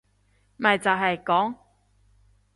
咪就係講